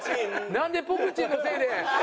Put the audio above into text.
なんでポクチンのせいで。